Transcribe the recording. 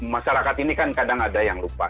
masyarakat ini kan kadang ada yang lupa